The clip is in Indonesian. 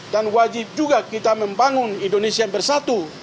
dan wajib juga kita membangun indonesia yang bersatu